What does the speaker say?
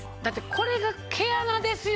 これが毛穴ですよ